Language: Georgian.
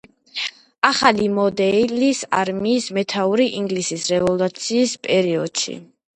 ახალი მოდელის არმიის მეთაური ინგლისის რევოლუციის პერიოდში.